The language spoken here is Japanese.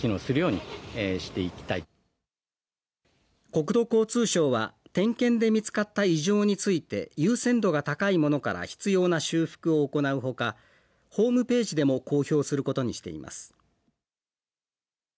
国土交通省は点検で見つかった異常について優先度が高いものから必要な修復を行うほかホームページでも公表することにしています。